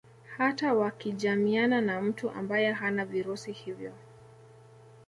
Hata wakijamiana na mtu ambaye hana virusi hivyo